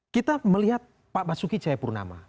kita melihat pak basuki cahayapurnama